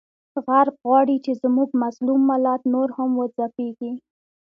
غرب غواړي چې زموږ مظلوم ملت نور هم وځپیږي،